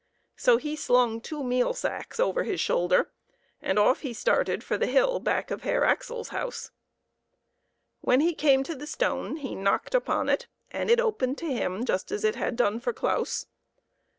So he slung two meal sacks over his shoulder, and off he started for the hill back of Herr Axel's house. When he came to the stone he knocked upon it, and it opened to him just as it had done for Claus.